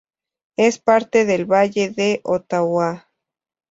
Es parte del Valle de Ottawa.